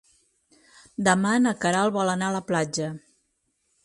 Demà na Queralt vol anar a la platja.